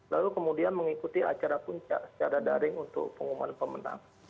lalu kemudian mengikuti acara puncak secara daring untuk pengumuman pemenang